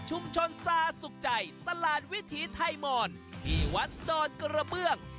ซาสุขใจตลาดวิถีไทยมอนที่วัดดอนกระเบื้อง